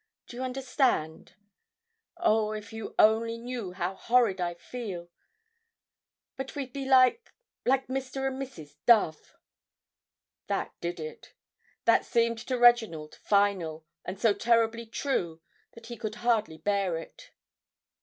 Do you understand? Oh, if you only knew how horrid I feel. But we'd be like... like Mr. and Mrs. Dove." That did it. That seemed to Reginald final, and so terribly true that he could hardly bear it.